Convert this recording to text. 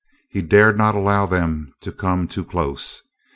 He dared not allow them to come too close.